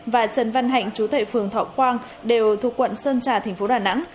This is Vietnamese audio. và trần văn hạnh trú tại phường thọ quang đều thuộc quận sơn trà thành phố đà nẵng